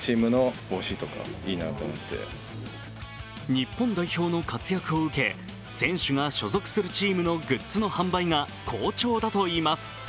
日本代表の活躍を受け選手が所属するチームのグッズの販売が好調だといいます。